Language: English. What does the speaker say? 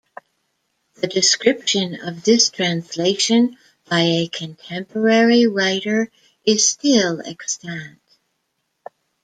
The description of this translation by a contemporary writer is still extant.